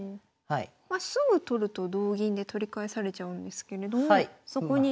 すぐ取ると同銀で取り返されちゃうんですけれどもそこに。